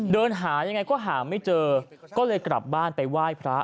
เดินหายังไงก็หาไม่เจอก็เลยกลับบ้านไปไหว้พระ